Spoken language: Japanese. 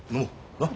なっ。